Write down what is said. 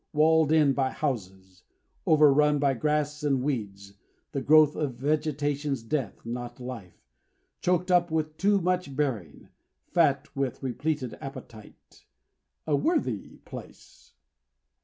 Walled in by houses; overrun by grass and weeds, the growth of vegetation's death, not life; choked up with too much burying; fat with repleted appetite. A worthy place!